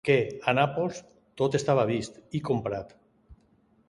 Que, a Nàpols, tot estava vist i comprat.